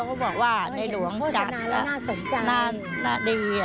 เขาบอกว่าในหลวงจัดหน้าดี